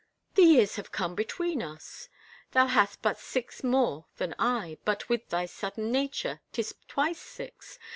" The years have come between us. Thou hast but six more than I but with thy South em nature 'tis twice six.